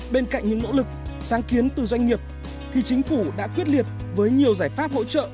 bên cạnh những nỗ lực sáng kiến từ doanh nghiệp thì chính phủ đã quyết liệt với nhiều giải pháp hỗ trợ